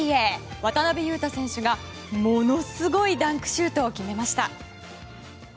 渡邊雄太選手が、ものすごいダンクシュートを決めました。